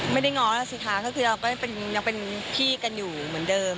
ง้อแล้วสิคะก็คือเราก็ยังเป็นพี่กันอยู่เหมือนเดิม